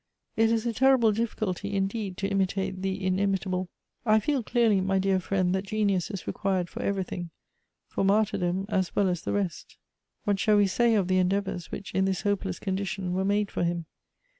It is a terrible difficulty, indeed, to imitate the inimitable. I feel clearly, my dear friend, that genius is required for everything; for mar tyrdom as well as the rest.'' What shall we say of the endeavors which in this hopeless condition were made for him